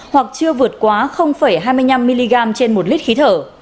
hoặc chưa vượt quá hai mươi năm mg trên một lít khí thở